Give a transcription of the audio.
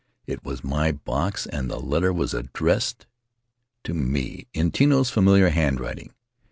It was my box, and the letter was addressed to me in Tino's familiar handwriting.